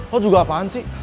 lo juga apaan sih